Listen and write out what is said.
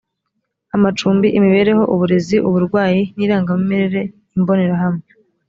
amacumbi imibereho uburezi uburwayi n irangamimerere imbonerahamwe